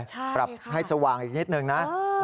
ใช่ค่ะปรับให้สว่างอีกนิดหนึ่งนะ